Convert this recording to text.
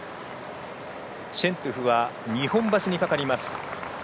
シェントゥフは日本橋にかかります。